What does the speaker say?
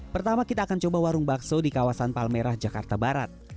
pertama kita akan coba warung bakso di kawasan palmerah jakarta barat